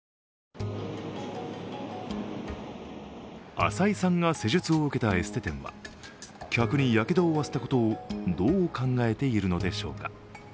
浅井さんが施術を受けたエステ店は客にやけどを負わせたことをどう考えているのでしょうか。